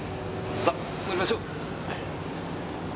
さっ乗りましょう。